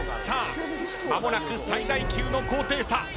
さあ間もなく最大級の高低差。